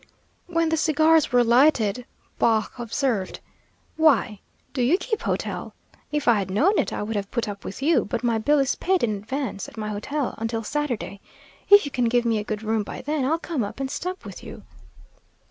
When the cigars were lighted Baugh observed, "Why, do you keep hotel? If I had known it, I would have put up with you, but my bill is paid in advance at my hotel until Saturday. If you can give me a good room by then, I'll come up and stop with you."